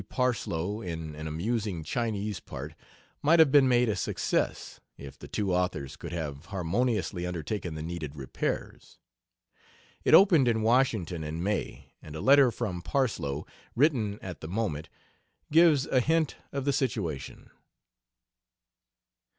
Parsloe in an amusing Chinese part might have been made a success, if the two authors could have harmoniously undertaken the needed repairs. It opened in Washington in May, and a letter from Parsloe, written at the moment, gives a hint of the situation.